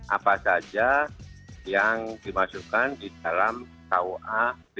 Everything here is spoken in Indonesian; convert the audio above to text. apa saja yang dimasukkan di dalam kua